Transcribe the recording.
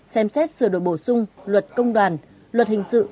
xem xét sửa đổi bổ sung luật công đoàn luật hình sự